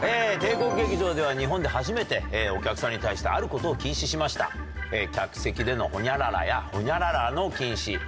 帝国劇場では日本で初めてお客さんに対してあることを禁止しました客席でのホニャララやホニャララの禁止。